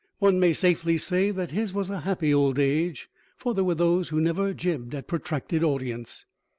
One may safely say that his was a happy old age, for there were those who never jibbed at protracted audience.